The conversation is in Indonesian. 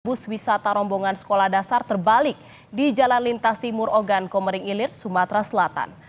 bus wisata rombongan sekolah dasar terbalik di jalan lintas timur ogan komering ilir sumatera selatan